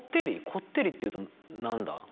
こってりっていうと何だ？